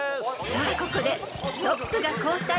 ［さあここでトップが交代］